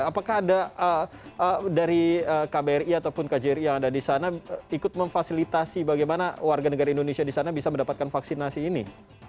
apakah ada dari kbri ataupun kjri yang ada di sana ikut memfasilitasi bagaimana warga negara indonesia di sana bisa mendapatkan vaksinasi ini